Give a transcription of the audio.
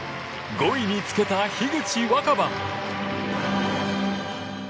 ５位につけた樋口新葉。